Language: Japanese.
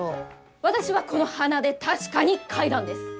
私はこの鼻で確かに嗅いだんです！